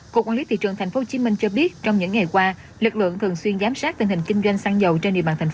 cục quản lý thị trường tp hcm cho biết trong những ngày qua lực lượng thường xuyên giám sát tình hình kinh doanh săn dầu trên địa bàn tp